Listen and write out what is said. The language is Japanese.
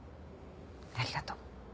ありがとう。